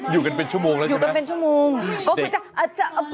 อยู่กันเป็นชั่วโมงแล้วใช่ไหมอยู่กันเป็นชั่วโมง